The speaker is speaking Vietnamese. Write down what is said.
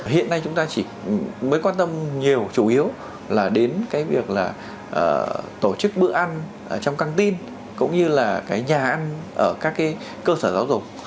hiện nay chúng ta chỉ mới quan tâm nhiều chủ yếu là đến cái việc là tổ chức bữa ăn trong căng tin cũng như là cái nhà ăn ở các cái cơ sở giáo dục